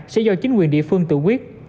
sẽ do chính quyền địa phương tự quyết